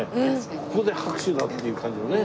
ここで拍手だ！っていう感じのね。